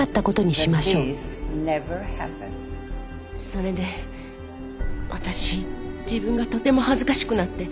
それで私自分がとても恥ずかしくなって。